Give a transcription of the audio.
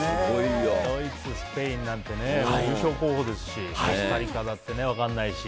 ドイツ、スペインなんて優勝候補ですしコスタリカだって分からないし。